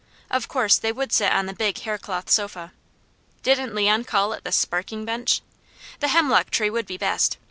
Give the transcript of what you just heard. Of course they would sit on the big haircloth sofa. Didn't Leon call it the "sparking bench"? The hemlock tree would be best.